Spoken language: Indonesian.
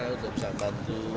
untuk bisa bantu